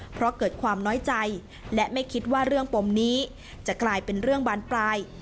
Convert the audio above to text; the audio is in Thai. เพราะเกิดความน้อยใจและไม่คิดว่าเรื่องปมนี้จะกลายเป็นเรื่องบานปลาย